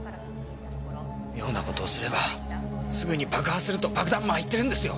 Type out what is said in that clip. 妙な事をすればすぐに爆破すると爆弾魔は言ってるんですよ！